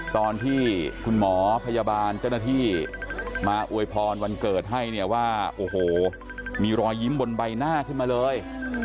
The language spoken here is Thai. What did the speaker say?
ตอนที่คุณหมอพยาบาลเจ้าหน้าที่มาอวยพรวันเกิดให้เนี่ยว่าโอ้โหมีรอยยิ้มบนใบหน้าขึ้นมาเลย